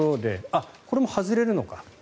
あ、これも外れるのか。